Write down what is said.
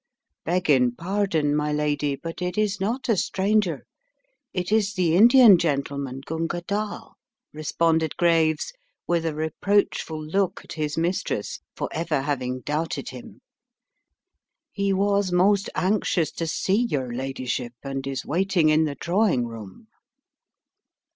"Beggin* pardon, my lady, but it is not a stranger. It is the Indian gentleman, Gunga Dall," responded Graves with a reproachful look at his mistress for ever having doubted him. "He was most anxious to see your ladyship and is waiting in the drawing room."